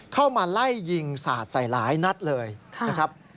เข้ามาไล่ยิงสาดใส่หลายนัดเลยนะครับ